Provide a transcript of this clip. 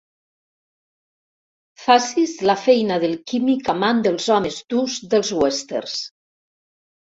Facis la feina del químic amant dels homes durs dels westerns.